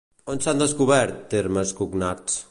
On s'han descobert termes cognats?